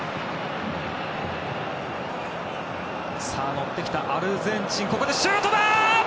乗ってきたアルゼンチンここでシュートだ！